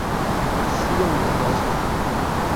希望有標籤